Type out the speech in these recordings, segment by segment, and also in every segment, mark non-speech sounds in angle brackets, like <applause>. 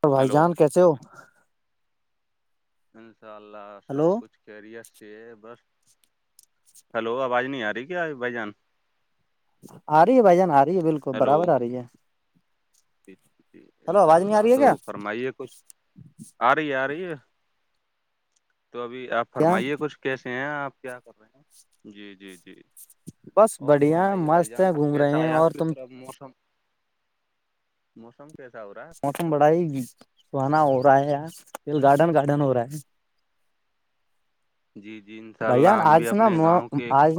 اور بھائی ہلو جان کیسے ہو انشاء اللہ سب ہلو کچھ سے بس ہلو آواز نہیں آ رہی کیا بھائی جان آ رہی ہے بھائی جان آ رہی ہے بالکل برابر آ رہی ہے ٹھ ٹھیک ہلو ان شاء آواز نہیں آ اللہ رہی ہے کیا تو فرمائیے کچھ آ رہی ہے آ رہی ہے تو ابھی آپ کیا فرمائیے کچھ کیسے ہیں آپ کیا کر رہے ہیں جی جی جی بس اور بڑھیا فرمائیے بھائی مست ہے جان گھوم رہے کیسا ہیں ہے اور آپ کی تم طرف موسم موسم کیسا ہو رہا ہے آپ کی موسم طرف بڑا ہی سہانا ہو رہا ہے دل گارڈن گارڈن ہو رہا ہے جی جی انشاء بھایی اللہ جان ہم آج بھی نا اپنے گاؤں کے آج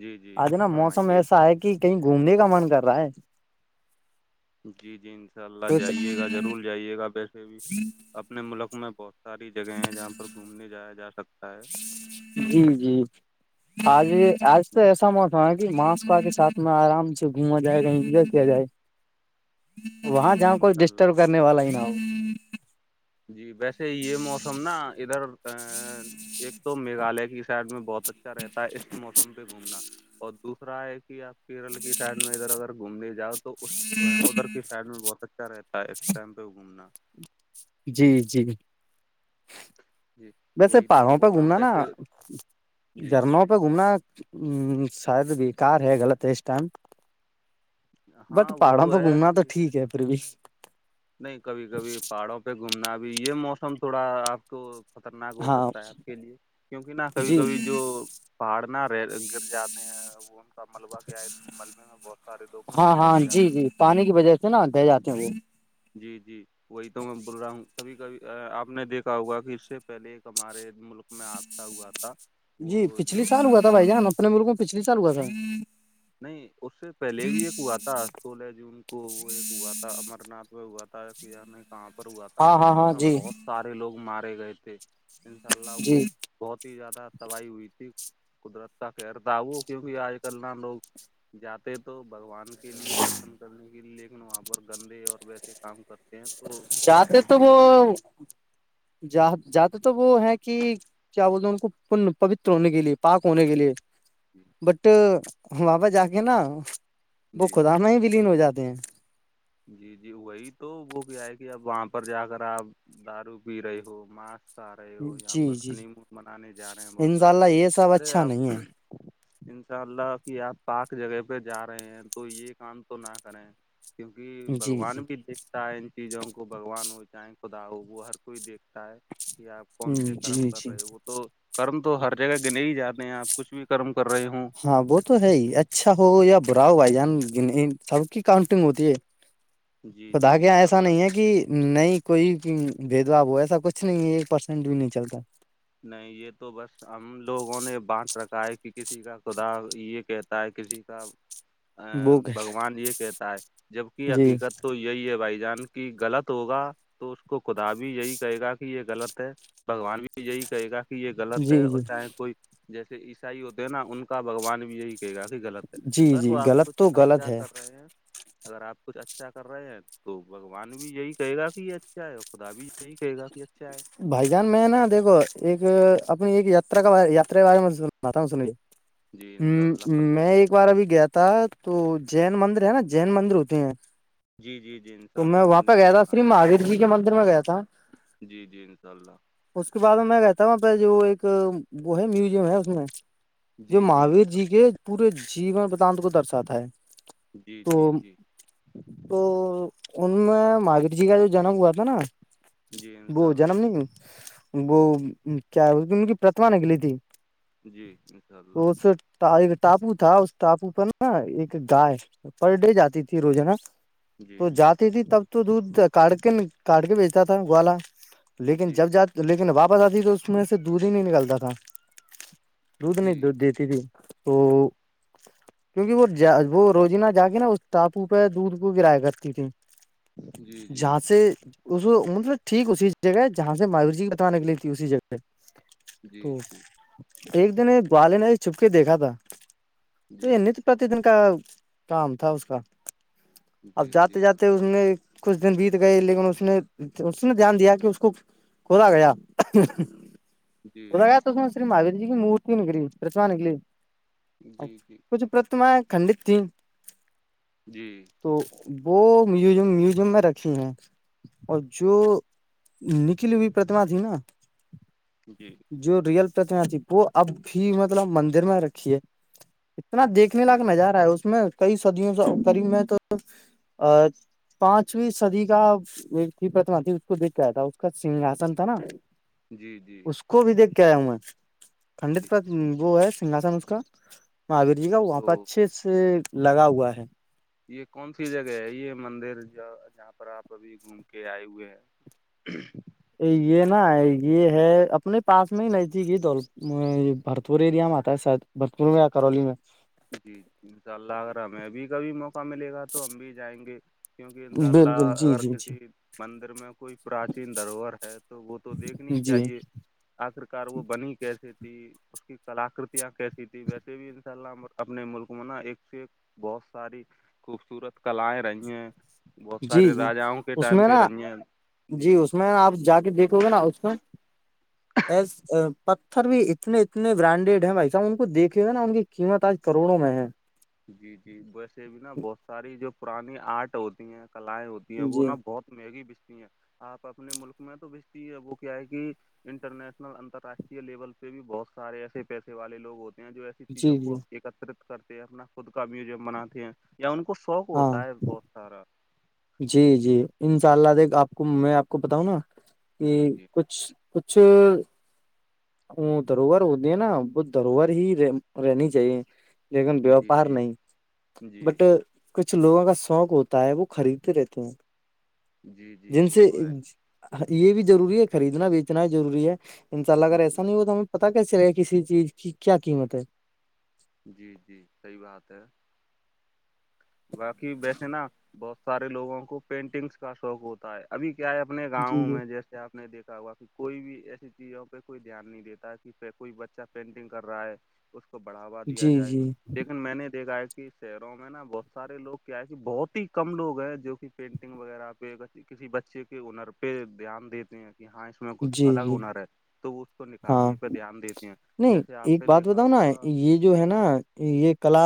جی جی آج نا موسم فرمائیے ایسا ہے کہ کہیں گھومنے کا من کر رہا ہے جی جی ان شاء اللہ تو جائیے گا ضرور جائیے گا ویسے بھی اپنے ملک میں پہت ساری جگہ ہیں جہاں پر گھومنے جایا جا سکتا ہے جی جی آج آج تو جی ایساموسم ہ ماس پا کے سھ میں آرام سے گھوما جائے انجوائے کیا جائے <unintelligible> جی وہاں جی جاؤ کوئی انشاء اللہ ڈسٹرب کرنے والا ہی نہ ہو جی ویسے یہ موسم نا ادھر ا ایک تو میگھالیہ کی سائڈ میں بہت اچھا رہتا ہے اس موسم پہ گھومنا اور دوسرا ہے کہ آپ کیرل کی سائڈ میں ادھر اگر گھومنے جاؤ تو اس ادھر کی سائڈ میں بہت اچھا رہتا ہے اس ٹائم پہ گھومنا <unintelligible> جی جی جی ویسے وہی تو میں پہاڑوں پہ بول رہا ہوں گھومنا نا ویسے جی جھرنوں گھومنا شاید بیکار ہے غلط ہے اس ٹائم <unintelligible> بٹ ہاں وہ پہاڑوں تو پہ ہے گونا تو کہ ٹھیک ہے پھر بھی نہیں کبھی کبھی پہاڑوں پہ گھومنا ابھی یہ موسم تھوڑا آپ کو خطرناک ہو ہاں سکتا ہے آپ کے لیے کیونکہ نہا جی کبھی کبھی جی جو پہاڑ نہ رہ گر جاتے ہیں ان کا ملبہ کیا ہے ملبے میں بہت سارے لوگ ہاں ہاں دب جی جاتے جی پانی کی وجہ <unintelligible> نا دے جاتے ہیں ہو <unintelligible> جی جی وہی تو میں بول رہا ہوں کبھی کبھی آپ نے دیکھا ہوگا کہ اس سے پہلے ہمارے ملک میں آادہ ہوا تھا جی وہ پچھلی جو سال ہوا تھا بھائی ان جان اپنے مر کو پچھلی چالوا تھار نہیں اس سے پہلے بھی ایک ہوا تھا سولہ جون کو وہ ایک ہوا تھا امر ناتھ میں ہوا تھا کہ یع کہاں پر ہوا تھا ہاں ہاں اس ہاں میں جی بہت سارے لوگ مارے گئے تھے ان شاء اللہ جی وہ بہت ہی زیادہ تباہی ہوئی تھی قدرت کا خر تھا وہو کیونکہ آج کل نا لوگ جاتے تو بھگوان کے لیے درشن کرنے کے لیے لیکن وہاں پر گندے اور ویسے کام کرتے ہیں تو جد اس تو کی وہ وجہ سے جد تو وہ ہے کہ کیا بولتے ان کو پ پوتر ہونے کے لیے پاک ہونے کے لیے جی بٹ ہماپس جا کے نا وہ جی خدا میں ہی ولیین ہو جاتے ہیں جی جی وہی تو وہ کیا ہے کہ اب وہاں پر جا کر آپ دارو پی رہے ہو ماسک سارے وہ یہاں جی پر جی ہنیمت منانے جا رہے ہیں بہت انشاء سارے اللہ لوگ یہ سب ارے اچھا نہیں آپ ہے انشاء اللہ کہ آپ پاک جگہ پہ جا رہے ہیں تو یہ کام تو نہ کریں کیوںکہ جی جی بگوان بھی دیکھتا ہے ان چیزوں کو بگوان ہو چاہے خدا ہو ہو ہر کوئی دیکھ کہ آپ کون سے جی کرم کر جی رہے ہو وہ تو کرم تو ہر جگہ گنے ہی جاتے ہیں آپ کچھ بھی کرم کر رہے ہوں ہاں وہ ہے اچھا اچھا ہو یا برا ہو بھائی جان سب کی کاؤنٹنگ ہوتی ہے جی خدا جی گ انشاء ایسا اللہ نہیں ہے کہ نہیں کوئی بھید بھؤ ہو ایسا کچھ نہیں ہے ایک پرسینٹ بھی نہیں چلتا نہیں یہ تو بس ہم لوگوں نے بانٹ رکھا ہے کہ کسی کا خدا یہ کہتا ہے کسی کا <inaudible> بھگوان یہ کہتا ہے جبک جی حقیقت تو یہی ہے بھائی جان کی غلط ہوگا تو اس کو خدا بھی یہی کہے گا کہ یہ غلط ہے بگوان بھی یہی کہے گا کہ یہ غط ہے جی جی اور چاہے کوئی جیسے عیسائی ہو دینا ان کا بگوان بھی یہی کافی غلط ہے جی ا جی وہ آپ غلط کچھ تو غلط اچھا ہے کر رہے ہیں اگر آپ کچھ اچھا کر رہے ہیں تو بگوان بھی یہی کہے گا کہ اچھا ہے اور خدا بھی یہی کہے گا کہا بھائی جان میں نا دیکو ایک اپنی ایک یاترا کا یاا کے بارے میں بتا سنیے جی انشاء اللہ میں فرمائی ایک بار ابھی گیا تھا تو جین مندر ہے نا جین مندر ہوتے ہیں جی جی جی انشاء تو میں اللہ وہاں نے پہ بھی گیا تھا سنا ہے سرریف مہاوییر جی کے مندر میں گیا تھا جی جی انشاء اللہ اس کے بعد میں گتا ہ پہ جو ایک وہ ہے میوزیم ہے اس میں جی جو مہاویر انشاء جی اللہ کے پورے جیون پردانت کو درشاتا ہے جی جی تو جی تو ان میں ماور جی کا جو جنم ہوا تھا نا جی انشاء وہ اللہ جنم وہ کیا ان کی پرتما نکلی تھی جی انشاء اللہ تو اس ایک ٹاپو تھا اس ٹاپو پر ن نا ایک گائے پر ڈے جاتی تھی روز نا جی تو جاتی تھی تب تو دودھ کاٹ کے کاٹ کے بیچتا تھا گوال لیکن جی جب جات لیکن واپس آتی تو اس میں سے دور ہی نہیں نکلتا تھا دود نہیں جی دو دیتی تی توو کیونکہ وہ وہ روزینہ جا کے نا اس ٹاپو پہ دودھ کو گرایا کرتی تھی جی جی جی جہاں سے اس مطلب ٹھیک اسی جگہ ہے جہاں سے میور جی بت نکلی تھی اسی جگہ پہ جی تو ایک دن والے نے بھی چھپ کے دیکھا تھا جی تو پرتی دن کا کام تھا اس کا جی اب جی جاتے جی جاتے اس میں کچھ دن بیت گئے لیکن اس نے اس نے دھیان دیا کہ اس <unintelligible> سنا سری مہاوییر جی کی مورتی نکلی رچنا نکلی جی جی جی جی کچھ پرتمہ کنت تین جی تو وہ میوزیم میوزیم میں رکھی ہیں اور جو نکل ہوئی پرتما تھی نا جی جو ریئل پرتمھی وہ اب بھی مطلب مندر میں رکھی ہے اتنا دیکھ کتنے لاکھ میں جا رہا ہے اس میں کئی سدیوں سے قریب میں تو پانچویں سدی کا تھی پرتما تھی اس کو دیکھ تھا اس کا سنگھاسن تھا نا جی جی اس کو بھی دیکھ کے آیا ہوں میں کنڈت جی پر وہ ہے سگھاسن اس کا ہاں اویر جی کا وہاں پہ تو اچھے سے لگا ہوا ہے یہ کون سی جگہ ہے یہ مندر جہاں پر آپ ابھی گھوم کے آئے ہوئے ہیں <inaudible> یہ نا یہ ہے اپنے پاس میں ہی نہیں تھی یہ دول بھرتپور ایریا میں آتا ہے شاید بھجپور میں یا کرولی میں جی جی انشاء اللہ اگر ہمیں بھی کبھی موقع ملے گا تو ہم بھی جائیں گے کیونکہ ان شاء اللہ بالکل جی اگر جی کسی مندر میں کوئی پراچین دروہر ہے تو وہ تو دیکھنی ہی جی جی چاہیے آخر کار وہ بنی کیسی تھی اس کی کلاکرتیاں کیسی تھی ویسے بھی انشاء اللہ اپنے ملک میں نا ایک سے ایک بہت ساری خوبصورت کلائیں رہی ہیں بہت جی سارے جی راجاؤں کے اس ٹائم میں پہ نا رہی ہیں جی اس میں نا آپ جا کے دیکھ <unintelligible> پتھر بھی اتنے اتنے برانڈیڈ ہیں بھائی صاحب ان کو دیکھے گا نا ان کی قیمت آج کروڑوں میں ہے جی جی ویسے بھی نا بہت ساری جو پرانی آرٹ ہوتی ہیں کلائیں ہوتی وہ جی نا بہت مہنگی بجتی ہیں آپ اپنے ملک میں تو بجتی ہے وہ کیا ہے کہ انٹرنیشنل انتراشٹریہ لیول پہ بھی بہت سارے ایسے پیسے والے لوگ ہوتے ہیں جو ایے چیزوں جی جی کو ایکترت کرتے ہیں اپنا خود کا میوزیم بناتے ہیں یا ان کو شوق ہاں ہوتا ہے بہت <unintelligible> جی جی ان شاء اللہ دیکھ آپ کو میں آپ کو بتاؤں نا کہ جی جی کچھ کچھ ا دھروہر ہوتی ہیں نا وہ دروہر ہی رہنی چاہیے لیکن جی ووپار جی نہیں جی بٹ کچھ لوگوں کا شوق ہوتا ہے وہ خریدتے رہتے ہیں جی جی جن وہ سے تو ہے یہ بھی ضروری ہے خریدنا بیچنا ہی ضروری ہے ان شاء اللہ اگر جی ایسا نہیں ہو تو ہمیں پتا کیے چلے کسی چیز کی کیا قیمت ہے جی جی صحیح بات ہے باقی ویسے نا بہت سارے لوگوں کو پینٹنگس کا شوق ہوتا تا ہے ابھی کیا ہے اپنے جی گاؤں جی میں جیس آپ نے دیکا ہوا کہ کوئی بھی ایسی چیزوں پہ کوئی دھیان نہیں دیتا ہے کہ کوئی بچہ پینٹنگ کر رہا ہے اس کو بڑھاوا دیا جی جائے جی لیکن میں نے دیکھا ہے کہ شہروں میں نا بہت سارےوگ کیا ہے کہ بہت ہی کم لو ہیں جو کہ پینٹنگ وغیرہ پہ کسی بچے کے ہنر پہ دھیان دیتے ہیں کہ ہاں اس میں کچھ جی الگ جی ہنر ہے تو وہ اس کو ہاں نکھارنے پہ دھیان دیتے ہیں نہیں جیسے ایک آپ نے بات دیکھا بتاؤ نا ہوگا یہ جو ہے نا یہ کلا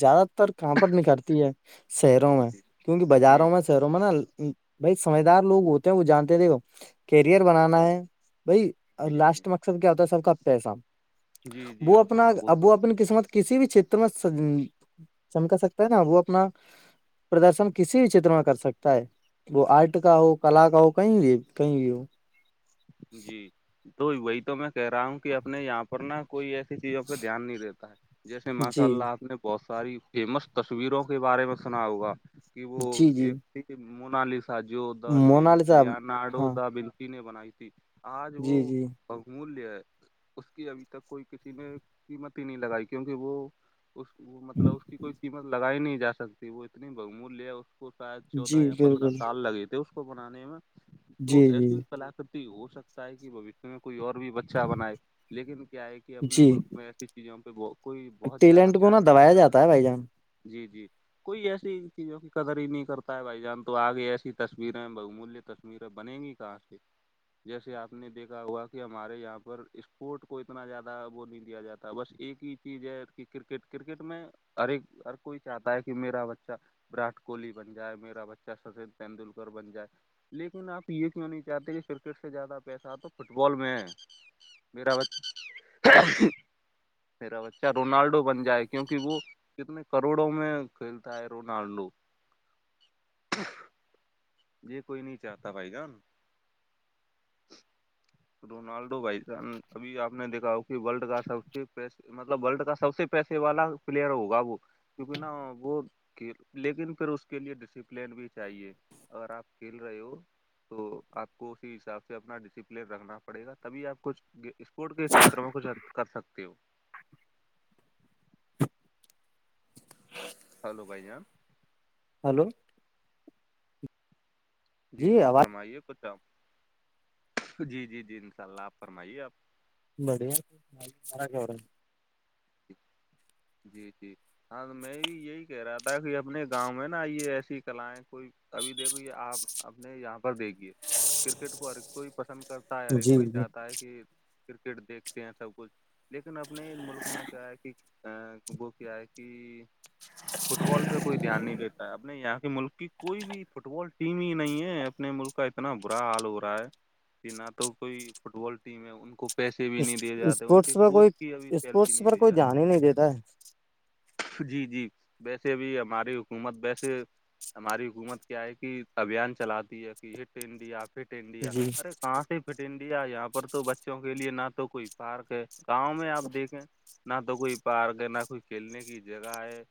زیادہ تر کہاں پر نکالتی ہے شہروں میں جی کیونکہ جی بازاروں میں نا بھائی سمجھدار لوگ ہوتے ہیں وہ جانتے تھے کیریئر بنانا ہے بھائی اور جی جی لاسٹ مقصد کیا ہوتا ہے سب کا پیسہ جی جی وہ اپنا ہاں ا تو ہے وہ اپنی قسمت کسی بھی چھیتر میں چمکا سکتا ہے نا وہ اپنا پردرشن کسی بھی چھیتر میں کر سکتا ہے وہ آرٹ کا ہو کلا کا ہو کہیں بھی کہیں بھی ہو جی تو وہی تو میں کہہ رہا ہوں کہ اپنے یہاں پر نا کوئی ایسی چیزوں پہ دھیان نہیں دیتا ہے جیسے ماشاء جی اللہ آپ نے بہت ساری فیمس تصویروں کے بارے میں سنا ہوگا کہ وہ جی جی ایک تھی مونالس س جو د مونال صاحب لارڈو ہاں دا بنی نے بنائی تھی آج وہ جی جی بہ مولیہ ہے اس کی ابھی تک کوئی کسی نے قیمت ہی نہیں لگائی کیونکہ وہ اس مطلب اس کی کوئی قیمت لگائی نہیں جا سکتی وہ اتنی ب مولیہ شاید چودہ جی یا پندرہ بالکل سال لگے تھے اس کو بنانے میں تو جی جی ایسی کلا ہو سکتا ہے کہ بوشیہ میں کوئی اور بھی بچہ بنائے لیکن کیا ہے کہ اپنے جی ملک میں ایسی جاں پہ بہت کوئی زیادہ ٹیلنٹ کو دھیان نا نہیں دبایا دیا جاتا ہے بھائی جان جی جی کوئی ایسی چیزوں کی قدر ہی نہیں کرتا ہے بھائی جان تو آگے ایسی تصویریں بہ مولیہ تصویر یرا بنےیں گی کاش کے جیسے آپ نے دیکھا ہوا کہ ہمارے یہاں پر اسپورٹ کو اتنا زیادہ وہ نہیں دیا جاتا بس ایک ہی چیز ہے کہ کرکٹ کرکٹ میں ہر ایک ہر کوئی چاہتا ہے کہ میرا بچہ وراٹ کوہلی بن جائے میرا بچہ سچن تندولکر بن جائے لیکن آپ یہ کیوں نہیں چاہتے کہ کرکٹ سے زیادہ پیسہ تو فٹ بال میں ہے میرا بت <inaudible> میرا بچہ رونالڈو بن جائے کیونکہ وہ کتنے کروڑوں میں کھیلتا ہے رونالڈو یہی کوئی نہیں چاہتا بھائی جان ج <inaudible> روونالڈو وائزن ابھی آپ نے دیکا ہو کہ وورلڈ کا سب کے پریس مطلب وورلڈ کا سب سے پیسے والا پلیئر ہوگا وہ کیونکہ نا وہ کھی لیکن پھر اس کے لیے ڈسپلین بھی چاہیے اورگر آپ کھیل رہے ہو تو آپ کو اسی حساب سے اپنا ڈسپلین رکھنا پڑے گا تبھی آپ کچھ اسپورٹ کے چھیتر میں کچھ کر سکتی ہو چلو بائے ہلو <inaudible> جی جی فرمائیے کچھ آ جی جی جی ان شاء اللہ آپ فرمائیے آپ بڑھیا مارا رہ ہیں ج جی جی ہاں میں بھی یہی کہہ رہا تھا کہ اپنے گاؤں میں نا آئی ایسی کلیں کوئی ابھی دیکھو یہ آپ اپنے یہاں پر دیکھیے کرکٹ کو ہر ایک کوئی پسند کرتا ہے ہر ایک جی کوئی جی چاہتا ہے کہ کرکٹ دیکھتے ہیں سب کچھ لیکن اپنے ملک میں کیا ہے کہ وہ کیا ہے کہ فٹ بال پہ کوئی دھیان نہیں دیتا ہے اب اپنے یہاں کے ملک کی کوئی بھی فٹ بال ٹیم ہی نہیں ہے اپنے ملک کا اتنا برا حال ہو رہا ہے کہ نہ تو کوئی فٹ بال ٹیم ہے ان کو پیسے بھی نہیں دیے جاتے ان کے کوچ کی ابھی سیلٹی نہیں دیے جاتی پانی نہیں دیتا جی جی ویسے بھی ہماری حکومت ویسے ہماری حکومت کیا ہے کہ ابھیان چلاتی ہے کہ ہٹ انڈیا فٹ ہے انڈیا جی ارے کہاں سے فٹ انڈیا یہاں پر تو بچوں کے لیے نہ تو کوئی پارک ہے گاؤں میں آپ دیکھیں نہ تو کوئی پارک ہے نہ کوئی کھیلنے کی جگہ ہے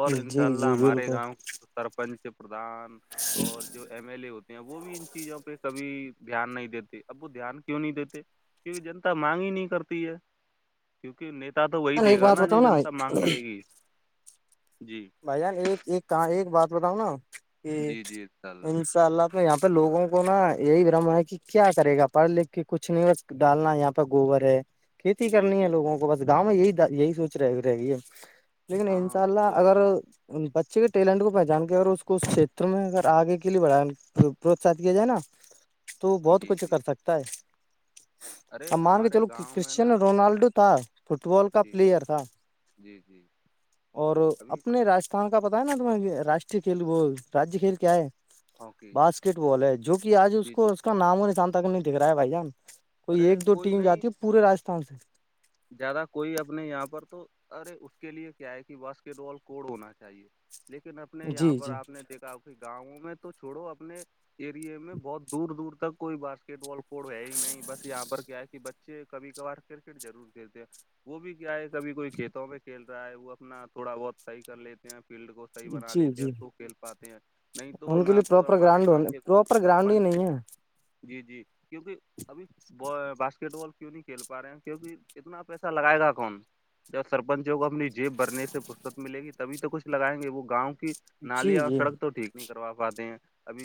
اور ان شاء جی اللہ جی ہمارے بالکل گاؤں سرپنچ پردھان اور جو ایم ایل ا ہوتے ہیں وہ بھی ان چیزوں پہ کبھی دھیان نہیں دیتے اب وہ دھیان کیوں نہیں دیتے کیونکہ جنتا مانگ ہی نہیں کرتی ہے کیونکہ نیتا تو وہی دے ایک گا نا بات بتاؤ جنتا مانگ کرے گی جی بھائی جان ایک ایک کہاں ایک بات بتاؤں نا کہ جی جی انشاء اللہ ان اللہ یہاں پہ لوگوں کو نا یہی برم ہے کہ کیا کرے گا پڑھ لکھ کے کچھ نہیں ڈالنا یہاں پرہ گوبر ہے کھیتی جی کرنی ہے جی لوگوں کو بس گاؤں میں یہی یہی سوچ رہ رہے گی ہے لیکن ہاں انشاء وہ اللہ تو ہے اگر بچے کے ٹیلنٹ کو پہچان کے اگر اس کو اس کھیر میں اگر آگے کے لیے بڑ پروتست کیا جائے نا تو بہت جی کچھ جی کر سکتا ہے ارے اب مان کے ہمارے چلو گاؤں میں کرسچین نا رونالڈو تھا فٹ بال کا جی پلیئر تھا جی جی اور ابھی اپنے راستھان کا پتا ہے نا تمہیں راٹری کھیل وہ راجیہ کھیل کیا ہے ہاکی باسکٹ بال ہے جو کہ آج اس جی کو جی اس کا ہاں بات نام نشانتا کو نہیں دکھ رہا ہے بھائی جان کوئی ارے ایک دو ٹیم نہیں جاتی ہے پورے راجستھان سے زیادہ کوئی اپنے یہاں پر تو ارے اس کے لیے کیا ہے کہ باسکٹ بال کوڈ ہونا چاہیے لیکن اپنے جی یہاں پر جی آپ نے دیکھا کافی گاؤں میں تو چھوڑو اپنے ایریے میں بہت دور دور تک کوئی باسکٹ بال ہے ہی نہیں بس یہاں پر کیا ہے کہ بچے کبھی کبھار کرکٹ ضرور کھیلتے ہیں وہ بھی کیا ہے کبھی کوئی کھیتوں میں کھیل رہا ہے وہ اپنا تھوڑا بہت صحیح کر لیتے ہیں فیلڈ کو صحیح بنا جی لیتے ہیں جی تو کھیل پاتے ہیں نہیں تو ان کے نہ لیے تو پراپر ہمارے گراؤنڈ گاؤں ہونے کے پراپر گراؤنڈ ہی سرپنچ نہیں ہے جی جی کیوںکہ ابھی باسکٹ بال کیوں نہیں کھیل پا رہے ہیں کیوںکہ کتنا پیسہ لگائے گا کون جب سرپنچوں کو اپنی جیب برنے سے پستک ملے گی تبھی تو کچھ لگائیں گے وہ گاؤں جی نالیاں اور جی سڑک تو ٹھیک نہیں کروا پاتے ہیں ابھی